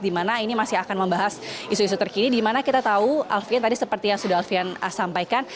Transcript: di mana ini masih akan membahas isu isu terkini di mana kita tahu alfian tadi seperti yang sudah alfian sampaikan